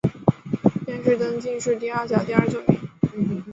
殿试登进士第二甲第二十九名。